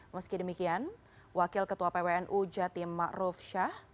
meski demikian wakil ketua pwnu jatim ma'ruf shah